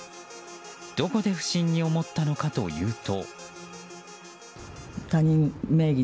どこで不審に思ったのかというと。